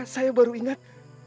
saya baru ingat